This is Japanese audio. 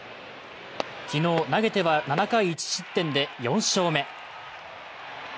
昨日、投げては７回１失点で４勝目。